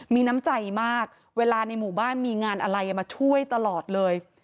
มีน้ำใจมากเวลาในหมู่บ้านมีงานอะไรมาช่วยตลอดเลย